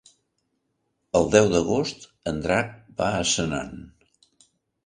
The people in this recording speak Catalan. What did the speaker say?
El deu d'agost en Drac va a Senan.